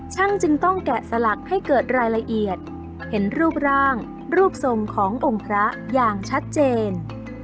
จึงต้องแกะสลักให้เกิดรายละเอียดเห็นรูปร่างรูปทรงขององค์พระอย่างชัดเจน